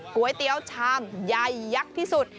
ก๋วยเตี๋ยวชามใหญ่ยักษ์ที่สุด